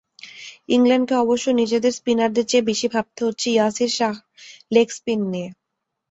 ইংল্যান্ডকে অবশ্য নিজেদের স্পিনারদের চেয়ে বেশি ভাবতে হচ্ছে ইয়াসির শাহর লেগ স্পিন নিয়ে।